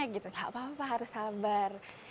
tidak apa apa harus sabar